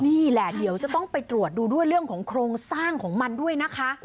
นี่แหละเดี๋ยวจะต้องไปตรวจดูด้วยเรื่องของโครงสร้างของมันด้วยนะคะ